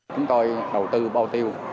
chúng tôi đầu tư bao tiêu